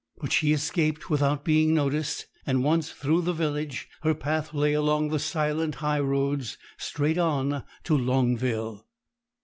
But she escaped without being noticed; and, once through the village, her path lay along the silent high roads straight on to Longville.